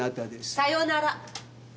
さよなら！